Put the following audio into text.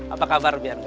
apa kabar bianca